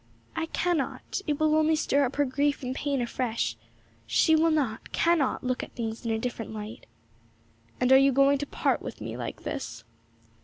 'I cannot; it will only stir up her grief and pain afresh. She will not, cannot, look at things in a different light.' 'And are you going to part with me like this?'